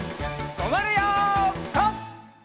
とまるよピタ！